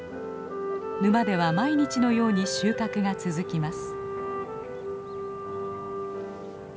沼では毎日のように収穫が続きます。